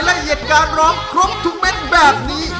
และเหตุการณ์รอมครองถุ่มเมนแบบนี้